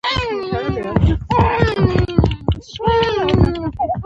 • انګور پوستکی نری لري.